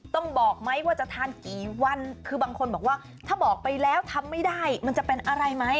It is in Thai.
บอกไหมว่าจะทานกี่วันคือบางคนบอกว่าถ้าบอกไปแล้วทำไม่ได้มันจะเป็นอะไรไหม